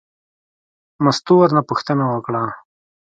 مستو ورنه پوښتنه وکړه.